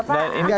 mana sih bapak